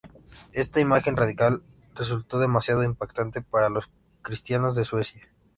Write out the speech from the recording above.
Esta imagen radical resultó demasiado impactante para los cristianos de Suecia.